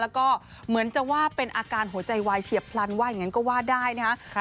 แล้วก็เหมือนจะว่าเป็นอาการหัวใจวายเฉียบพลันว่าอย่างนั้นก็ว่าได้นะครับ